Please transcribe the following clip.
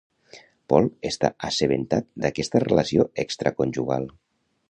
Paul està assabentat d'aquesta relació extraconjugal.